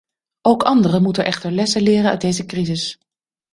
Ook anderen moeten echter lessen leren uit deze crisis.